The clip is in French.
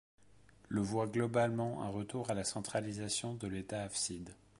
Le voit globalement un retour à la centralisation de l’État hafside.